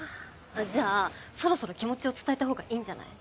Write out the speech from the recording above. じゃあそろそろ気持ちを伝えた方がいいんじゃない？